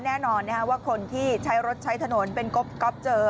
แน่นอนว่าคนที่ใช้รถใช้ถนนเป็นก๊อบเจอ